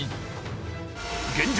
現状